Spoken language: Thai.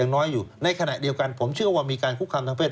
ในขณะเดียวกันผมเชื่อว่ามีการคุกคำทางเพศ